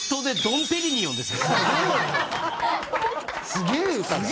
すげえ歌。